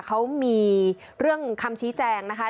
เขามีเรื่องคำชี้แจงนะคะ